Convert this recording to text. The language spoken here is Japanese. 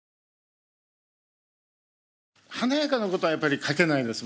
華やかなことはやっぱり書けないです